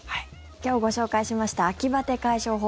今日ご紹介しました秋バテ解消法